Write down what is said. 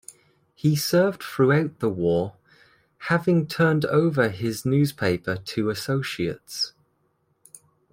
He served throughout the war, having turned over his newspaper to associates.